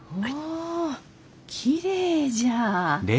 あきれいじゃ。